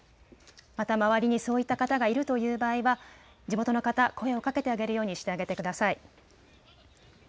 また周りにそういった方がいるという場合は地元の方、声をかけてあげるようにしてあげてください。